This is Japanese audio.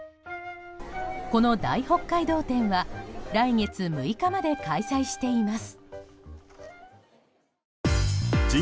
この「大北海道展」は来月６日まで開催しています。